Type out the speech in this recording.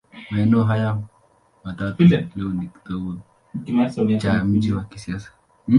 Maeneo hayo matatu leo ni kitovu cha mji wa kisasa.